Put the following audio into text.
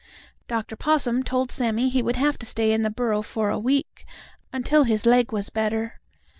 Dr. Possum told Sammie he would have to stay in the burrow for a week, until his leg was better.